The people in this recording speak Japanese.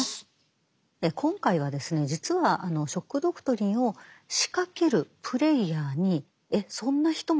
今回は実は「ショック・ドクトリン」を仕掛けるプレイヤーにえっそんな人も？